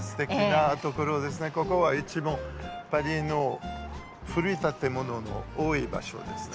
ここはパリの古い建物の多い場所ですね。